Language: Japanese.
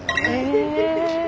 え。